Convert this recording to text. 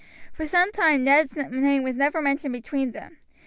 For some time Ned's name was never mentioned between them.